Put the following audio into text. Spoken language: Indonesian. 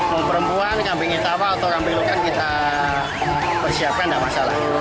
mau perempuan kambing hitam atau kambing luka kita persiapkan gak masalah